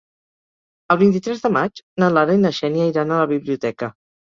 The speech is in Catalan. El vint-i-tres de maig na Lara i na Xènia iran a la biblioteca.